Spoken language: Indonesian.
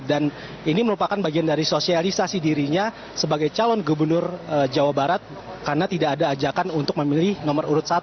dan ini merupakan bagian dari sosialisasi dirinya sebagai calon gubernur jawa barat karena tidak ada ajakan untuk memilih nomor urut satu